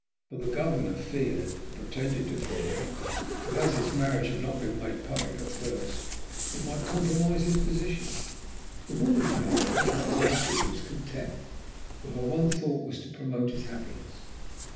For the Governor feared, or pretended to fear, that, as his marriage had not been made public at first, it might compromise his position. The woman, however, who loved him, was content, for her one thought was to promote his happiness.